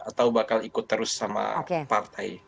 atau bakal ikut terus sama partai